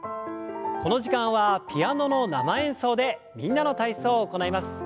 この時間はピアノの生演奏で「みんなの体操」を行います。